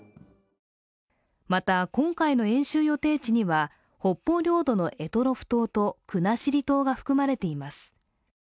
また、今回の演習予定地には北方領土の択捉島と国後島が含まれています。